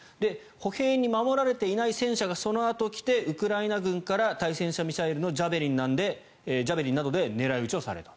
歩兵に守られていない戦車がそのあと来てウクライナ軍から対戦車ミサイルのジャベリンなどで狙い撃ちをされた。